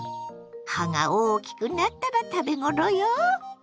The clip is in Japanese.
葉が大きくなったら食べ頃よ。